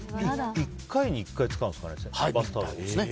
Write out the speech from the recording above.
１回に１回使うんですかね。